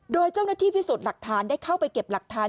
โดยเจ้าหน้าที่พิสูจน์หลักฐานได้เข้าไปเก็บหลักฐาน